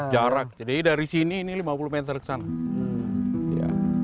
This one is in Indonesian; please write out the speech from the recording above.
jarak jadi dari sini ini lima puluh meter ke sana